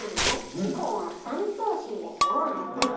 チコは３頭身ですよあなた。